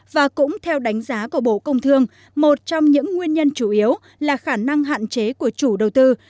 và cũng theo đánh giá của bộ công thương một trong những nguyên nhân chủ yếu là khả năng hạn chế của chủ đầu tư